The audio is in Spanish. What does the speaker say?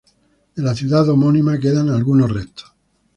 De la ciudad homónima quedan algunos restos.